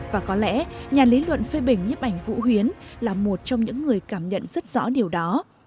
và có lẽ nhà lý luận phê bình nhấp ảnh vũ huyến là một trong những người cảm nhận rất rõ điều đó